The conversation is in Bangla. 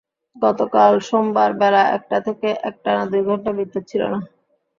গতকাল সোমবার বেলা একটা থেকে একটানা দুই ঘণ্টা বিদ্যুৎ ছিল না।